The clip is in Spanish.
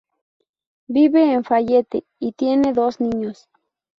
Vive en Fayette y tiene dos niños.